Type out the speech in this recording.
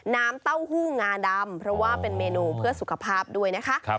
เต้าหู้งาดำเพราะว่าเป็นเมนูเพื่อสุขภาพด้วยนะคะ